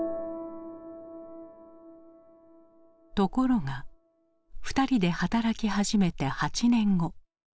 ところが２人で働き始めて８年後。